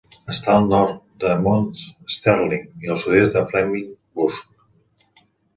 Està al nord de Mount Sterling i al sud-oest de Flemingsburg.